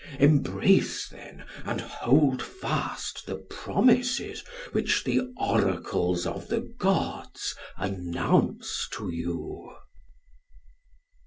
Embrace then and hold fast the promises Which the oracles of the gods announce to you.